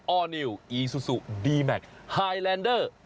อร์นิวอีซูซูดีแมคไฮแลนเดอร์